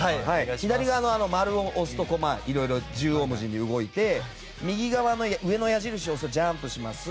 左側の丸を押すと縦横無尽に動いて右側の上の矢印を押すとジャンプします。